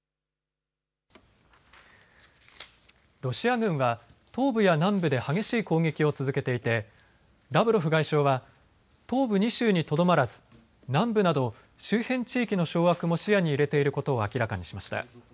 ロシア軍は東部や南部で激しい攻撃を続けていてラブロフ外相は東部２州にとどまらず南部など周辺地域の掌握も視野に入れていることを明らかにしました。